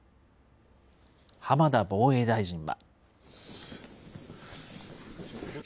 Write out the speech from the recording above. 浜田防衛大臣は。